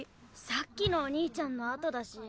さっきのおにいちゃんのあとだし。